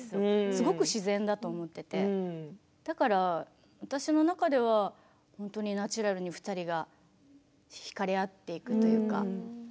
すごく自然だと思っていてだから私の中では本当にナチュラルに２人がひかれ合っていくというか。